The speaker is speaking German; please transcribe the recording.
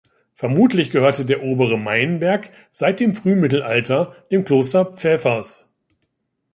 Vermutlich gehörte der obere Meienberg seit dem Frühmittelalter dem Kloster Pfäfers.